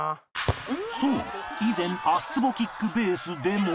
そう以前足つぼキックベースでも